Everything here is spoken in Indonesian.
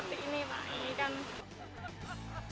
kalau yang lain biasanya kan gak kental seperti ini